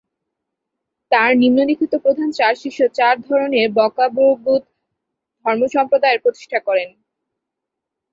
তার নিম্নলিখিত প্রধান চার শিষ্য চার ধরনের ব্কা'-ব্র্গ্যুদ ধর্মসম্প্রদায়ের প্রতিষ্ঠা করেন।